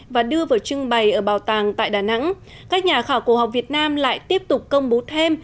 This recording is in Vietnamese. và đưa vào trưng bày ở bảo tàng tại đà nẵng các nhà khảo cổ học việt nam lại tiếp tục công bố thêm